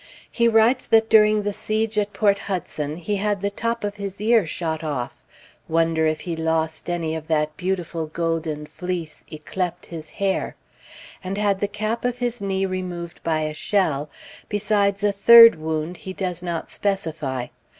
He writes that during the siege at Port Hudson he had the top of his ear shot off (wonder if he lost any of that beautiful golden fleece yclept his hair?), and had the cap of his knee removed by a shell, besides a third wound he does not specify.